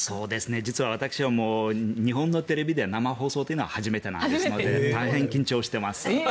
実は私は日本のテレビでは生放送というのは初めてですので大変緊張してます。